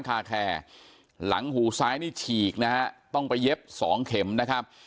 คาแคร์หลังหูซ้ายนี่ฉีกนะฮะต้องไปเย็บสองเข็มนะครับ